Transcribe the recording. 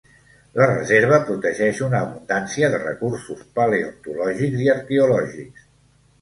La reserva protegeix una abundància de recursos paleontològics i arqueològics.